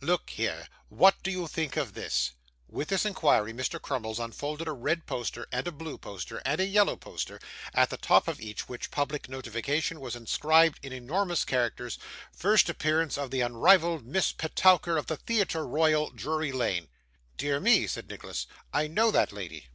Look here; what do you think of this?' With this inquiry Mr. Crummles unfolded a red poster, and a blue poster, and a yellow poster, at the top of each of which public notification was inscribed in enormous characters 'First appearance of the unrivalled Miss Petowker of the Theatre Royal, Drury Lane!' 'Dear me!' said Nicholas, 'I know that lady.